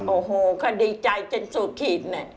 โอ้โหก็ดีใจจนสุดขีดเนี่ย